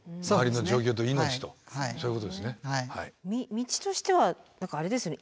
道としては何かあれですね